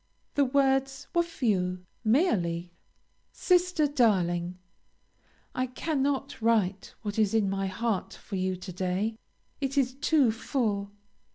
The words were few, merely: "SISTER DARLING: "I cannot write what is in my heart for you to day, it is too full.